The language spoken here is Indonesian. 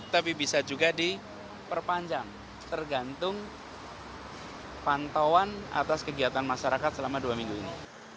tapi bisa juga diperpanjang tergantung pantauan atas kegiatan masyarakat selama dua minggu ini